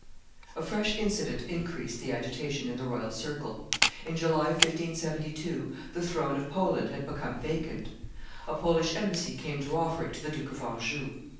A fresh incident increased the agitation in the royal circle. In July, 1572, the throne of Poland had become vacant. A Polish embassy came to offer it to the Duke of Anjou.